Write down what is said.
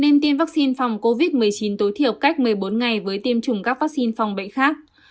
nên tiêm vaccine phòng covid một mươi chín tối thiểu cách một mươi bốn ngày với tiêm chủng các vaccine phòng bệnh khác